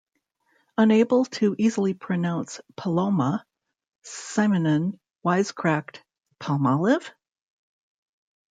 Unable to easily pronounce "Paloma", Simonon wise-cracked, "Palmolive?